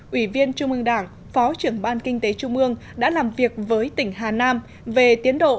ủy viên trung ương đảng phó trưởng ban kinh tế trung ương đã làm việc với tỉnh hà nam về tiến độ